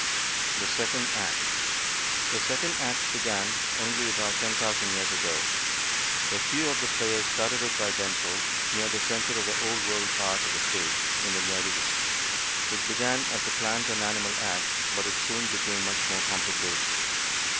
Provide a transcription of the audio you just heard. THE SECOND ACT The second act began only about ten thousand years ago. A few of the players started it by themselves near the center of the Old World part of the stage, in the Near East. It began as a plant and animal act, but it soon became much more complicated.